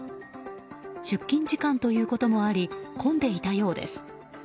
出勤時間ということもあり混んでいたようです。